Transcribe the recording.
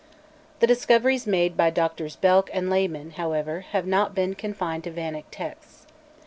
The discoveries made by Drs. Belck and Lehmann, however, have not been confined to Vannic texts.